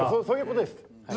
そういう事です。